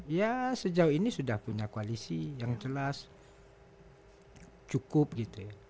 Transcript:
ya sejauh ini sudah punya koalisi yang jelas cukup gitu ya